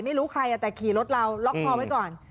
ไม่รู้ใครแต่ขี่รถเราล็อกคอไว้ก่อน